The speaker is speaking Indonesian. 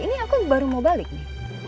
ini aku baru mau balik nih